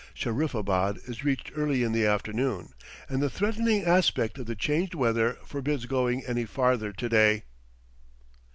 Shahriffabad is reached early in the afternoon, and the threatening aspect of the changed weather forbids going any farther today.